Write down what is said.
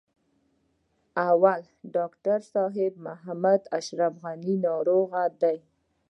اول: ډاکټر صاحب محمد اشرف غني ناروغ دی.